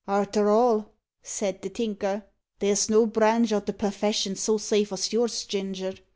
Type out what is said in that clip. "Arter all," said the Tinker, "there's no branch o' the perfession so safe as yours, Ginger.